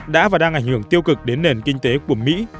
đã và đang ảnh hưởng tiêu cực đến nền kinh tế của mỹ